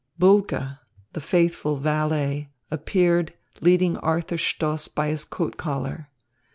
Bulke, the faithful valet, appeared, leading Arthur Stoss by his coat collar.